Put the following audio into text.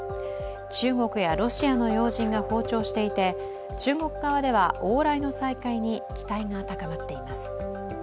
中国やロシアの要人が訪朝していて、中国側では往来の再開に期待が高まっています。